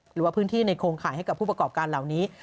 หรือว่าพื้นที่ในโครงข่ายให้กับผู้ประกอบการเหล่านี้